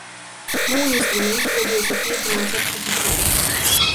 Noul instrument trebuie să fie finanțat suficient.